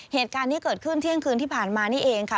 เหตุการณ์ที่เกิดขึ้นเที่ยงคืนที่ผ่านนะคะ